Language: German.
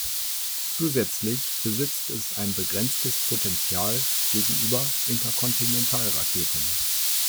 Zusätzlich besitzt es ein begrenztes Potenzial gegenüber Interkontinentalraketen.